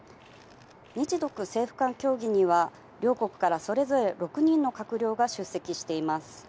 日独政府間協議には、両国からそれぞれ６人の閣僚が出席しています。